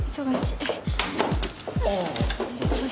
ああ。